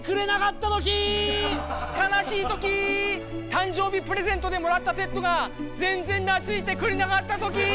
誕生日プレゼントでもらったペットが全然懐いてくれなかったときー！